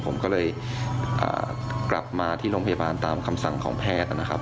ผมก็เลยกลับมาที่โรงพยาบาลตามคำสั่งของแพทย์นะครับ